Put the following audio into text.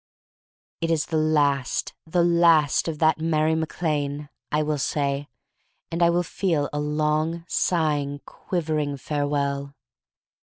"It is the last — the last — of that Mary Mac Lane," I will say, and I will feel a long, sighing, quivering farewell.